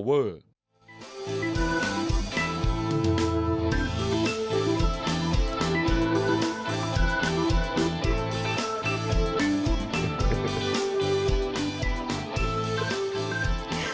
ทุกทีเราต้องวัดละนะ